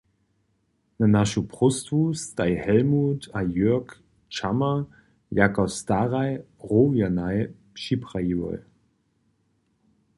Na našu próstwu staj Helmut a Jörg Čamar jako staraj Rownjanaj připrajiłoj.